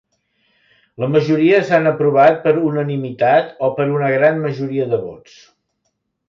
La majoria s’han aprovat per unanimitat o per una gran majoria de vots.